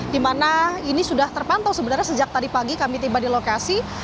di mana ini sudah terpantau sebenarnya sejak tadi pagi kami tiba di lokasi